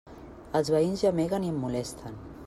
Els veïns gemeguen i em molesten.